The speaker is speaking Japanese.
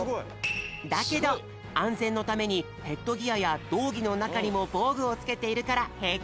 だけどあんぜんのためにヘッドギアやどうぎのなかにもぼうぐをつけているからへいきなんだって！